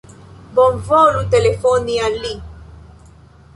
Bonvolu telefoni al li.